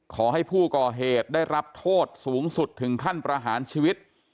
ขอให้ผู้ก่อเหตุได้รับโทษสูงสุดถึงขั้นประหารชีวิต